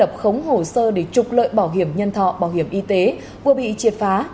lập khống hồ sơ để trục lợi bảo hiểm nhân thọ bảo hiểm y tế vừa bị triệt phá